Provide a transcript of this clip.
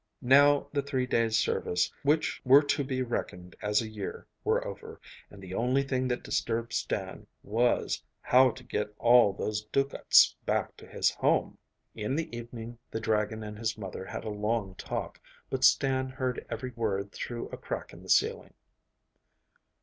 Now the three days' service which were to be reckoned as a year were over, and the only thing that disturbed Stan was, how to get all those ducats back to his home! In the evening the dragon and his mother had a long talk, but Stan heard every word through a crack in the ceiling.